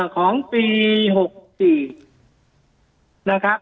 ของปี๖๔นะครับ